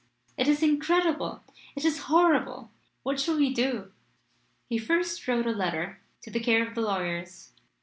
it is incredible it is horrible! What shall we do?" He first wrote a letter, to the care of the lawyers.